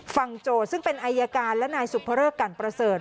โจทย์ซึ่งเป็นอายการและนายสุภเริกกันประเสริฐ